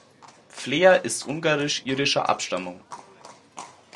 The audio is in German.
Flea ist ungarisch-irischer Abstammung.